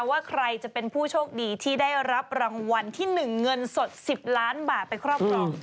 ว่าใครจะเป็นผู้โชคดีที่ได้รับรางวัลที่๑เงินสด๑๐ล้านบาทไปครอบครอง